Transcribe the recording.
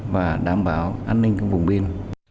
và đảm bảo an ninh của vùng biên